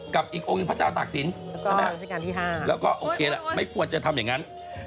กับอีกองค์พระเจ้าตากสินแล้วก็โอเคละไม่ควรจะทำอย่างนั้น